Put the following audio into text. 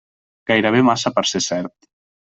Gairebé massa per ser cert.